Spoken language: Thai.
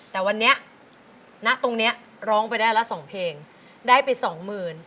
แต่วันนี้ณตรงนี้ร้องไปได้ละสองเพลงได้ไปสองหมื่น